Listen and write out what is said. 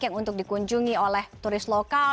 yang untuk dikunjungi oleh turis lokal